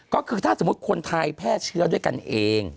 ก็คือถ้าสมมุติคนไทยแพร่เชื้อด้วยกันเอง